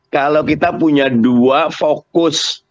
kalau kita punya dua fokus